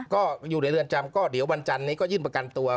ก็อยู่ในเรือนจำก็เดี๋ยววันจันนี้ก็ยื่นประกันตัว